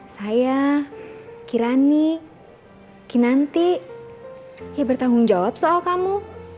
saya kirani kinanti ya bertanggung jawab soal kamu